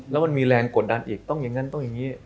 แล้วมันมีแรงกดดันอีกต้องอย่างนั้นต้องอย่างนี้